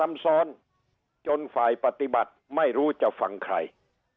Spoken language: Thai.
ซ้ำซ้อนจนฝ่ายปฏิบัติไม่รู้จะฟังใคร